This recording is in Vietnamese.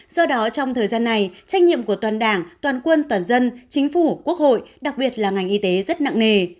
do đó trong thời gian này trách nhiệm của toàn đảng toàn quân toàn dân chính phủ quốc hội đặc biệt là ngành y tế rất nặng nề